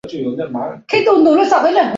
季姒又对公甫说公思展和申夜姑要挟她。